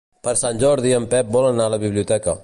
Per Sant Jordi en Pep vol anar a la biblioteca.